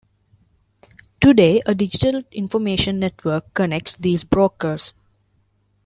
Today, a digital information network connects these brokers.